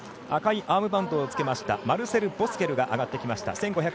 赤いアームバンドマルセル・ボスケルが上がってきました。